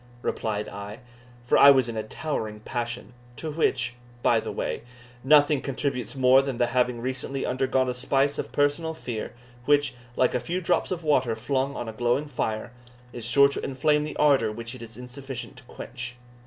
replied I; for I was in a towering passion, to which, by the way, nothing contributes more than the having recently undergone a spice of personal fear, which, like a few drops of water flung on a glowing fire, is sure to inflame the ardour which it is insufficient to quench.